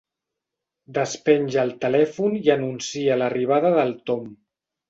Despenja el telèfon i anuncia l'arribada del Tom.